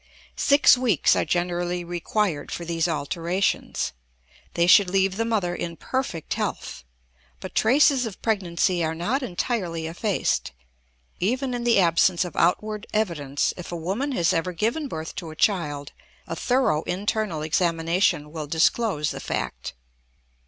Six weeks are generally required for these alterations. They should leave the mother in perfect health, but traces of pregnancy are not entirely effaced; even in the absence of outward evidence, if a woman has ever given birth to a child a thorough internal examination will disclose the fact.